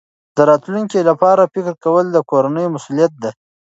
د راتلونکي لپاره فکر کول د کورنۍ مسؤلیت دی.